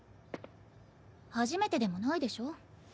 初めてでもないでしょ？